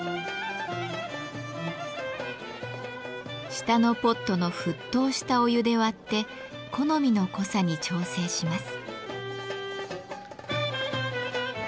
下のポットの沸騰したお湯で割って好みの濃さに調整します。